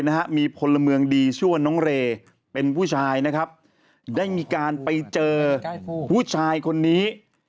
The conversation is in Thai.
ก็ได้มีคนละเมืองดีชวนน้องเรได้พูดใช้ได้มีการไปเจอผู้ชายคนนี้